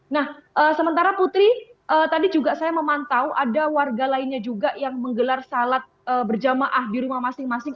nah sementara putri tadi juga saya memantau ada warga lainnya juga yang menggelar salat berjamaah di rumah masing masing